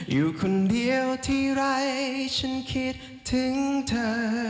อยู่คนเดียวทีไรฉันคิดถึงเธอ